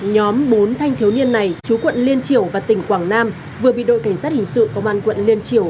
nhóm bốn thanh thiếu niên này chú quận liên triểu và tỉnh quảng nam vừa bị đội cảnh sát hình sự công an quận liên triều